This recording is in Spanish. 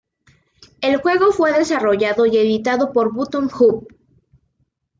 El juego fue desarrollado y editado por Bottom Up.